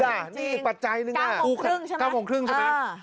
นี่อีกปัจจัยหนึ่ง๙โมงครึ่งใช่ไหม